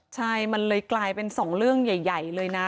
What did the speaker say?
ใช่มันเลยกลายเป็นสองเรื่องใหญ่เลยนะ